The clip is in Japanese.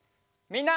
みんな！